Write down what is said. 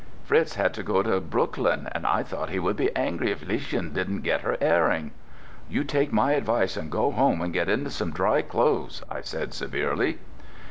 "Fritz had to go to Brooklyn, and I thought he would be angry if Lischen didn't get her airing." "You take my advice and go home and get into some dry clothes," I said severely.